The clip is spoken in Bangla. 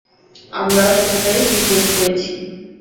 আমরা সত্যটাই রিপোর্ট করছি।